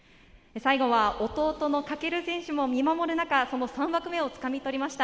最後は弟の翔選手も見守る中、３枠目を掴み取りました。